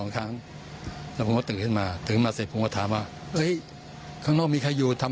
ครับรักหนูใช่ไหม